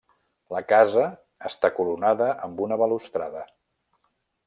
La casa està coronada amb una balustrada.